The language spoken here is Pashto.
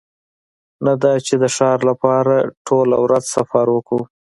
نه دا چې د ښار لپاره ټوله ورځ سفر وکړو